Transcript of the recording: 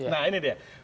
nah ini dia